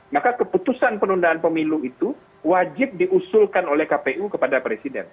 maka keputusan penundaan pemilu itu wajib diusulkan oleh kpu kepada presiden